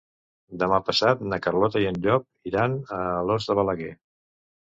Demà passat na Carlota i en Llop iran a Alòs de Balaguer.